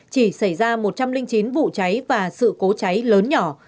chỉ xảy ra một trăm linh chín vụ cháy và sự cố cháy lớn nhỏ